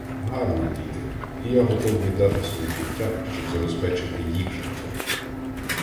Гарні діти, і я готов віддати своє життя, щоб забезпечити їх життя.